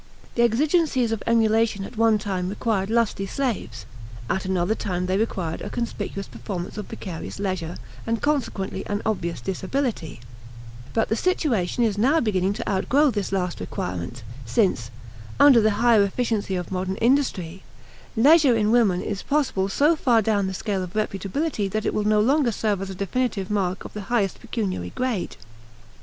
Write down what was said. The exigencies of emulation at one time required lusty slaves; at another time they required a conspicuous performance of vicarious leisure and consequently an obvious disability; but the situation is now beginning to outgrow this last requirement, since, under the higher efficiency of modern industry, leisure in women is possible so far down the scale of reputability that it will no longer serve as a definitive mark of the highest pecuniary grade.